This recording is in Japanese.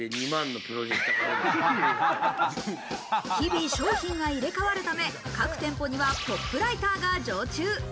日々、商品が入れ替わるため、各店舗にはポップライターが常駐。